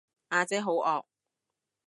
呀姐好惡